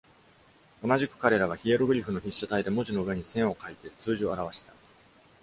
同じく、彼らは、ヒエログリフの筆写体で、文字の上に線を描いて数字を表した。